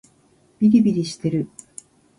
びりびりしてる